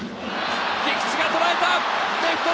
菊池がとらえた！